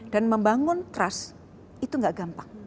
dan membangun trust itu tidak gampang